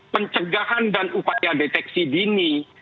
pencegahan dan upaya deteksi dini